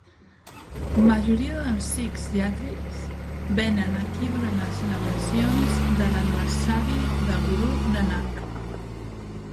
Majoria dels sikhs yatris venen aquí durant les celebracions de l'aniversari de Guru Nanak.